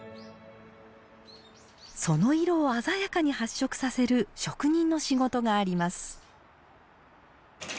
その色を鮮やかに発色させる職人の仕事があります